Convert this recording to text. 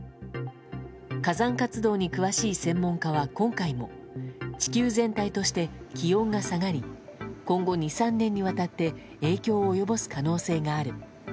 火山活動に詳しい専門家は今回も地球全体として気温が下がり今後２３年にわたって影響を及ぼす可能性がある。